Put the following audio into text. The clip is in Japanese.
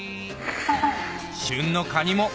旬のカニも！